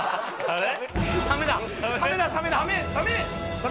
あれ！